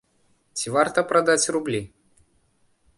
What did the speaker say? Ці варта прадаць рублі?